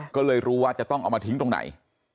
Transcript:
ก็เลยรู้ว่าจะต้องเอามาทิ้งตรงไหน